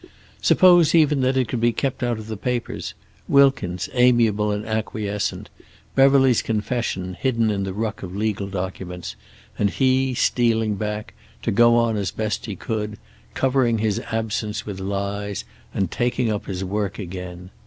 Suppose even that it could be kept out of the papers; Wilkins amiable and acquiescent, Beverly's confession hidden in the ruck of legal documents; and he stealing back, to go on as best he could, covering his absence with lies, and taking up his work again.